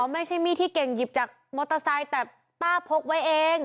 ไม่ใช่มีดที่เก่งหยิบจากมอเตอร์ไซค์แต่ต้าพกไว้เอง